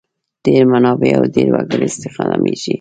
ډېر منابع او ډېر وګړي استخدامیږي.